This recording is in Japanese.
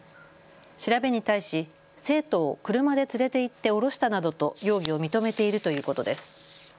調べに対し生徒を車で連れて行って降ろしたなどと容疑を認めているということです。